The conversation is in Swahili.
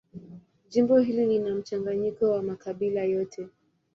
Jimbo hili lina mchanganyiko wa makabila yote.